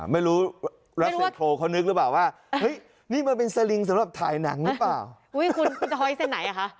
ไม่รู้รัสเซลโครวเขานึกหรือเปล่าว่านี่มาเป็นสลิงสำหรับถ่ายหนังหรือเปล่า